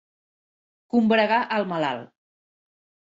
Combregar al malalt.